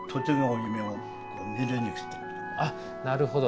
あっなるほど。